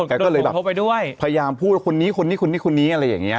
แกก็เลยแบบพยายามพูดว่าคนนี้คนนี้คนนี้อะไรอย่างนี้